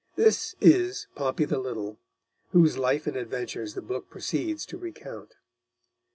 This is Pompey the Little, whose life and adventures the book proceeds to recount.